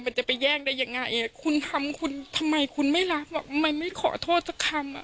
มันจะไปแย่งได้อย่างไรคุณทำทำไมคุณไม่รับทำไมไม่ขอโทษสักคำ